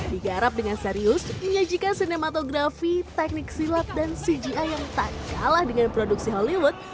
digarap dengan serius menyajikan sinematografi teknik silat dan cgi yang tak kalah dengan produksi hollywood